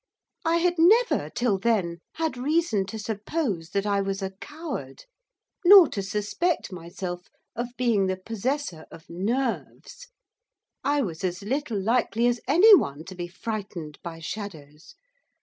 I had never, till then, had reason to suppose that I was a coward. Nor to suspect myself of being the possessor of 'nerves.' I was as little likely as anyone to be frightened by shadows.